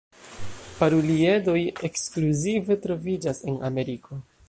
Paruliedoj ekskluzive troviĝas en Ameriko.